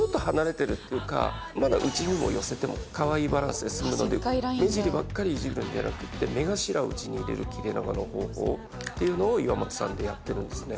まだ内にも寄せてもかわいいバランスで済むので目尻ばっかりいじるんじゃなくて目頭を内に入れる切れ長の方法っていうのを岩本さんでやってるんですね。